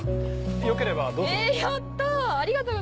よければどうぞ。